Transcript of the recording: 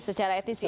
secara etis ya